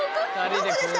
どこですか？